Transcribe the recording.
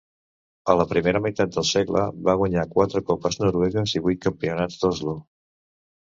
A la primera meitat del segle va guanyar quatre copes noruegues i vuit campionats d'Oslo.